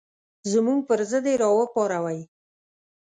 زموږ پر ضد یې راوپاروئ.